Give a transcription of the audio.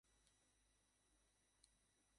সোজা বার দ্বারা স্থগিত করা হয়েছে।